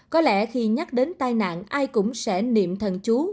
có lẽ khi nhắc đến tai nạn ai cũng sẽ niệm thần chú